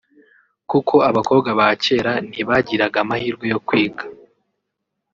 kuko abakobwa ba kera ntibagiraga amahirwe yo kwiga